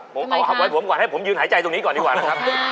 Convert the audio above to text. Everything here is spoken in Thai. ผมเอาไว้ผมก่อนให้ผมยืนหายใจตรงนี้ก่อนดีกว่านะครับ